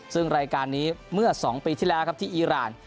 ซึ่งรายการนี้เมื่อ๒ปีที่แล้วครับที่อีราน